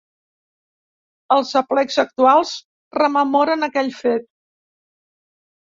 Els aplecs actuals rememoren aquell fet.